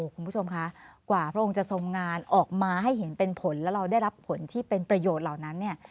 คุณผู้ชมคะกว่าพระองค์จะทรงงานออกมาให้เห็นเป็นผลแล้วเราได้รับผลที่เป็นประโยชน์เหล่านั้นเนี่ย